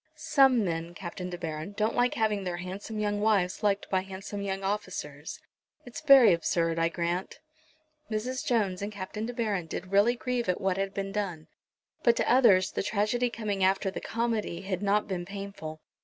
"Some men, Captain De Baron, don't like having their handsome young wives liked by handsome young officers. It's very absurd, I grant." Mrs. Jones and Captain De Baron did really grieve at what had been done, but to others, the tragedy coming after the comedy had not been painful.